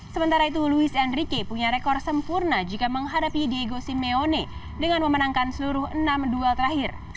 sementara itu louis andrique punya rekor sempurna jika menghadapi diego simeone dengan memenangkan seluruh enam duel terakhir